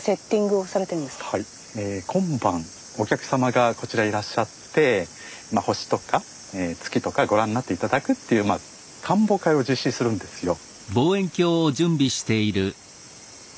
今晩お客様がこちらいらっしゃって星とか月とかご覧になって頂くっていう観望会を実施するんですよ。